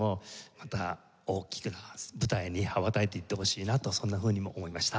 また大きな舞台に羽ばたいていってほしいなとそんなふうにも思いました。